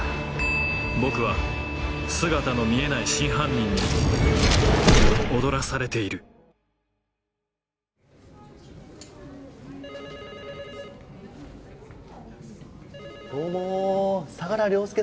僕は姿の見えない真犯人に踊らされているどうも相良凌介さんの。